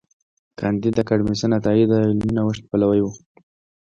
کانديد اکاډميسن عطايي د علمي نوښت پلوي و.